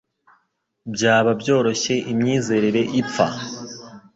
Byaba byoroshye imyizerere ipfa.